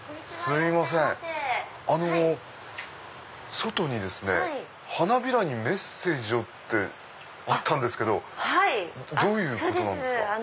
外に花びらにメッセージをってあったんですけどどういうことなんですか？